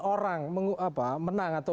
orang menang atau